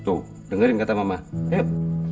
tuh dengerin kata mama yuk